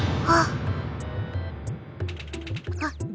あっ。